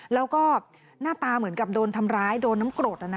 แล้วก็หน้าตาเหมือนกับโดนทำร้ายโดนน้ำกรด